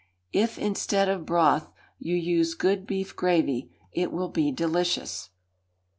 If instead of broth you use good beef gravy, it will be delicious.